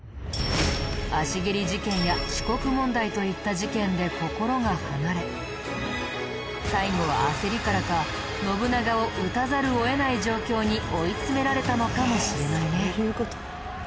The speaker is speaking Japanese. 足蹴り事件や四国問題といった事件で心が離れ最後は焦りからか信長を討たざるを得ない状況に追い詰められたのかもしれないね。